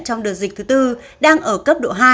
trong đợt dịch thứ tư đang ở cấp độ hai